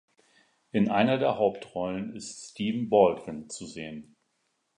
In einer der Hauptrollen ist Stephen Baldwin zu sehen.